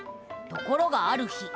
ところがある日。